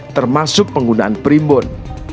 termasuk penggunaan primbon